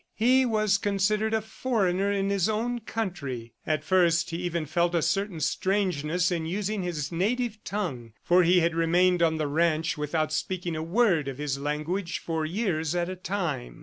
He was considered a foreigner in his own country. At first, he even felt a certain strangeness in using his native tongue, for he had remained on the ranch without speaking a word of his language for years at a time.